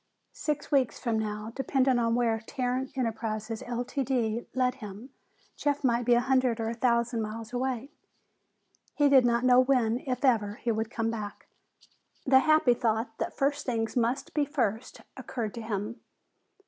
Six weeks from now, depending on where Tarrant Enterprises, Ltd., led him, Jeff might be a hundred or a thousand miles away. He did not know when, if ever, he would come back. The happy thought that first things must be first occurred to him.